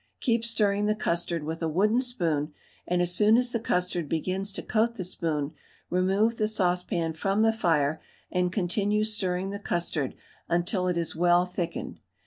Keep stirring the custard with a wooden spoon, and as soon as the custard begins to coat the spoon remove the saucepan from the fire, and continue stirring the custard until it is well thickened.